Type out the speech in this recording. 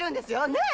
ねえ！